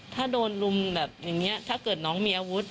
ถ้าโดนลุมแบบอย่างนี้ถ้าเกิดน้องมีอาวุธ